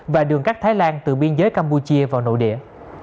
và đường các thái lan từ biên giới campuchia vào nội địa